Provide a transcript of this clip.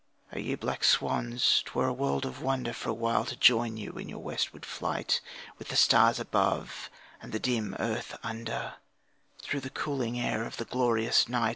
Oh! ye wild black swans, 'twere a world of wonder For a while to join in your westward flight, With the stars above and the dim earth under, Through the cooling air of the glorious night.